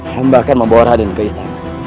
hembakan membawa raden ke istana